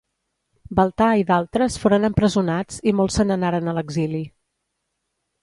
Baltà i d'altres foren empresonats i molts se n'anaren a l'exili.